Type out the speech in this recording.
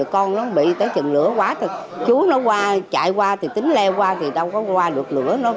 con nó bị tới trần lửa quá thì chú nó qua chạy qua thì tính le qua thì đâu có qua được lửa